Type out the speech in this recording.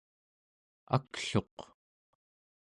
akluq